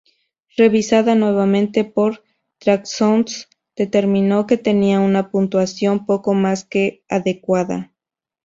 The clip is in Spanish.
Revisada nuevamente por "Tracksounds"s, determinó que tenía una puntuación poco más que adecuada.